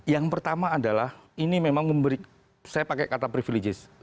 yang pertama adalah ini memang memberi saya pakai kata privileges